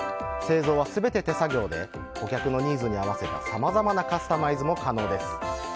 製造は全て手作業で顧客のニーズに合わせたさまざまなカスタマイズも可能です。